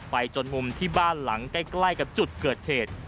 จนมุมที่บ้านหลังใกล้กับจุดเกิดเหตุ